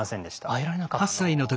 得られなかった？